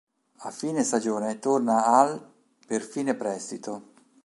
A fine stagione torna al per fine prestito.